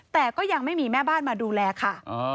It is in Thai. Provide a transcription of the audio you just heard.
แต่ก็ยังไม่มีแม่บ้านมาดูแลค่ะ